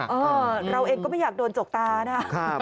เออเราเองก็ไม่อยากโดนจกตานะ